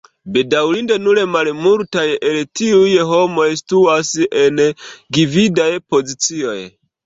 Bedaŭrinde nur malmultaj el tiuj homoj situas en gvidaj pozicioj.